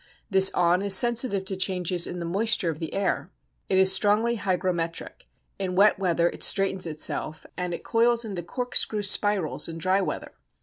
This awn is sensitive to changes in the moisture of the air. It is strongly hygrometric: in wet weather it straightens itself, and it coils into corkscrew spirals in dry weather.